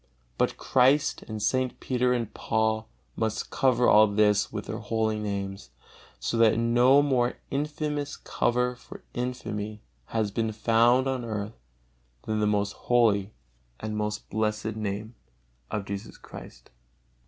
But Christ and St. Peter and Paul must cover all this with their holy names, so that no more infamous cover for infamy has been found on earth than the most holy and most blessed Name of Jesus Christ!